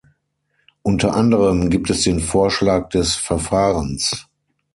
Unter anderem gibt es den Vorschlag des -Verfahrens.